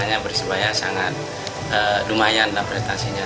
rasanya persebaya sangat lumayan dalam prestasinya